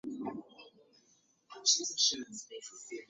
She was married to television producer Hal Thompson.